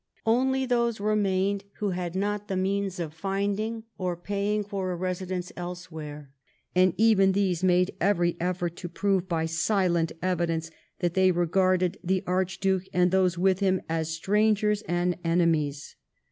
Only those remained who had not the means of finding or paying for a residence elsewhere, and even these made every effort to prove by silent evidence that they regarded the Archduke and those with him as strangers and enemies.